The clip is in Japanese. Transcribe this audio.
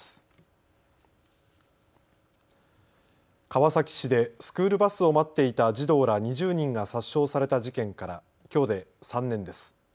川崎市でスクールバスを待っていた児童ら２０人が殺傷された事件からきょうで３年です。